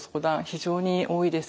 非常に多いです。